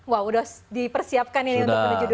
wah sudah dipersiapkan ya untuk menuju dua ribu dua puluh lima